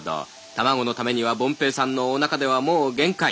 卵のためには凡平さんのおなかではもう限界。